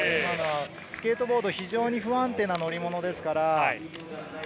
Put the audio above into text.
スケートボードは非常に不安定な乗り物ですから。